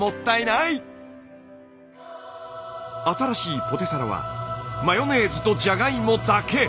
新しいポテサラはマヨネーズとじゃがいもだけ！